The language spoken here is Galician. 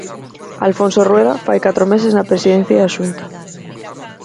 Alfonso Rueda fai catro meses na Presidencia da Xunta.